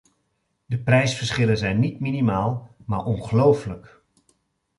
De prijsverschillen zijn niet minimaal, maar ongelooflijk.